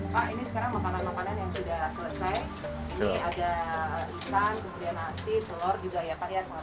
pak ini sekarang makanan makanan yang sudah selesai